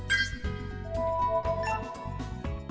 hẹn gặp lại